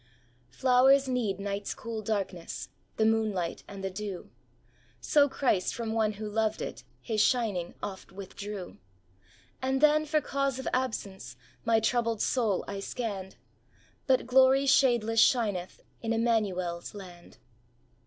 " Flowers need night's cool darkness, The moonlight and the dew ; So Christ from one who loved it, His shining oft withdrew. And then for cause of absence My troubled soul I scanned. But glory shadeless shineth In Emmanuel's land."